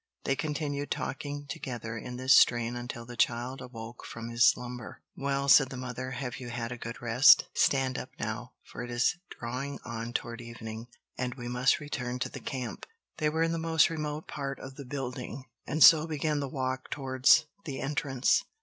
They continued talking together in this strain until the child awoke from his slumber. "Well," said the mother, "have you had a good rest? Stand up now, for it is drawing on toward evening, and we must return to the camp." They were in the most remote part of the building and so began the walk towards the entrance.